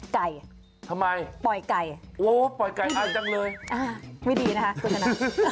ไก่ปล่อยไก่โอ้โฮปล่อยไก่อ้ายจังเลยไม่ดีนะครับคุณชนะ